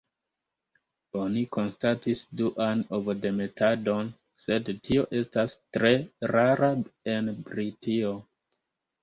Oni konstatis duan ovodemetadon, sed tio estas tre rara en Britio.